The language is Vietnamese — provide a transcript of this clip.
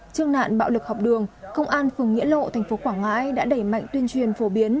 trương nạn bạo lực học đường công an phường nghĩa lộ thành phố quảng ngãi đã đẩy mạnh tuyên truyền phổ biến